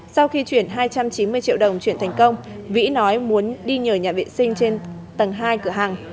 sau khi chuyển hai trăm chín mươi triệu đồng chuyển thành công vĩ nói muốn đi nhờ nhà vệ sinh trên tầng hai cửa hàng